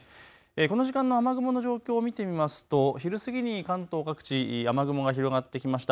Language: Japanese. この時間の雨雲の状況を見てみますと昼過ぎに関東各地、雨雲が広がってきました。